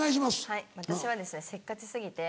はい私はせっかち過ぎて。